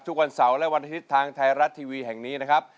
ทุกวันเสาร์และวันอาทิตย์ทางไทยรัฐทีวีแห่งนี้นะครับ